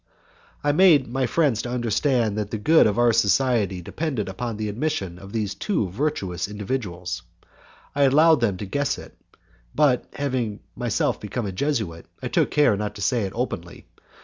I made my friends to understand that the good of our society depended upon the admission of these two virtuous individuals. I allowed them to guess it, but, having myself became a Jesuit, I took care not to say it openly.